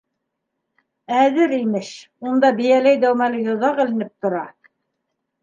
- Әҙер, имеш, унда бейәләй дәүмәле йоҙаҡ эленеп тора.